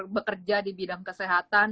bekerja di bidang kesehatan